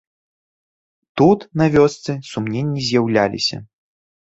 Тут, на вёсцы, сумненні з'яўляліся.